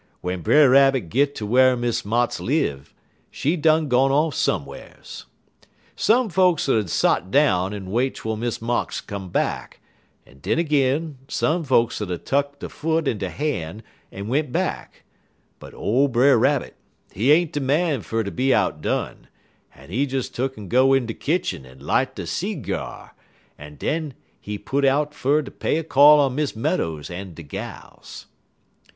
W'en Brer Rabbit git ter whar Miss Motts live, she done gone off some'rs. "Some folks 'ud er sot down en wait twel Miss Motts come back, en den ag'in some folks 'ud er tuck der foot in der han' en went back; but ole Brer Rabbit, he ain't de man fer ter be outdone, en he des tuck'n go in de kitchen en light he seegyar, en den he put out fer ter pay a call on Miss Meadows en de gals.